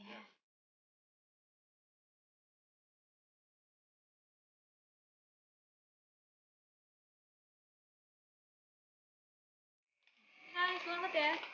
hai selamat ya